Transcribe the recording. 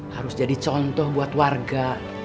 harus jadi contoh buat warga